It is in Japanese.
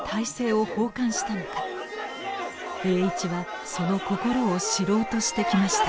栄一はその心を知ろうとしてきました。